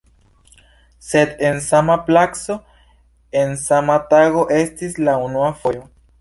Sed en sama placo, en sama tago estis la unua fojo.